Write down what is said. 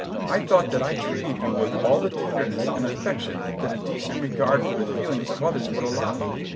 I thought that I treated you with all the tenderness and affection that a decent regard for the feelings of others would allow.